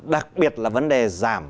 đặc biệt là vấn đề giảm